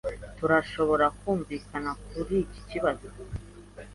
Turashobora kumvikana kuri iki kibazo?